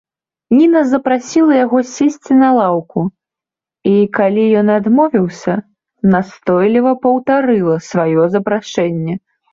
Ніна запрасіла яго сесці на лаўку і, калі ён адмовіўся, настойліва паўтарыла сваё запрашэнне.